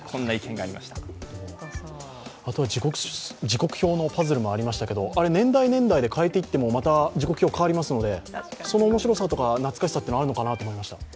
時刻表のパズルもありましたけれども、年代、年代で変えていっても、また時刻表は変わりますので、その面白さとか懐かしさは、あるのかなと思いました。